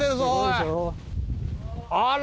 あら。